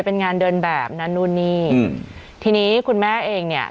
เป็นงานเดินแบบนั้นนู่นนี่อืมทีนี้คุณแม่เองเนี่ย